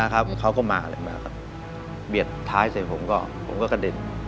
เขาก็มาอะไรมาครับเบียดท้ายเสร็จผมก็กระเด็น